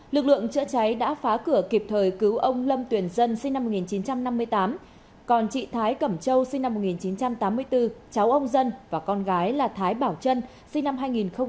lực lượng chữa cháy đã phá cửa kịp thời cứu ông lâm tuyền dân sinh năm một nghìn chín trăm năm mươi tám còn chị thái cẩm châu sinh năm một nghìn chín trăm tám mươi bốn cháu ông dân và con gái là thái bảo trân sinh năm hai nghìn một mươi hai phát hiện tử vong